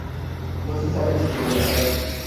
No se sabe si pueden hablar.